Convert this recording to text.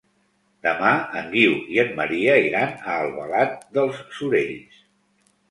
Demà en Guiu i en Maria iran a Albalat dels Sorells.